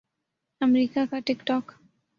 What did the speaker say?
امریکا کا ٹک ٹاک